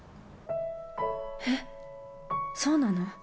えっ、そうなの？